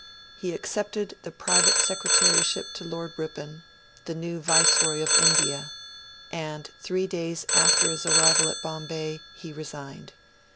He accepted the Private Secretaryship to Lord Ripon, the new Viceroy of India, and, three days after his arrival at Bombay, he resigned.